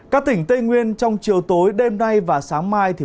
các tỉnh tây nguyên trong chiều tối đêm nay và sáng mai